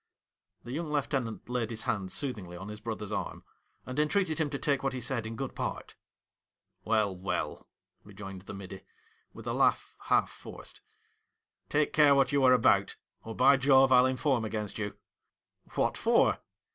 The young lieutenant laid his hand sooth ingly on his brother's arm, and entreated him to take what he said in good part. ' Well, well !' rejoined the middy, with a 88 HOUSEHOLD WORDS. [Conducted by laugh half forced. ' Take care what you are about, or, by Jove, I '11 inform against you.' 'What for?'